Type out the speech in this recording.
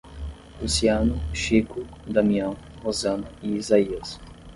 Luciano, Chico, Damião, Rosana e Isaías